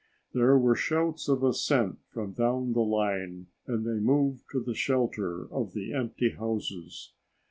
There were shouts of assent from down the line and they moved to the shelter of the empty houses.